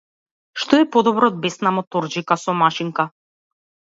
Што е подобро од бесна моторџика со машинка?